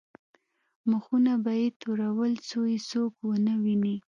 مخونه به یې تورول څو یې څوک ونه ویني.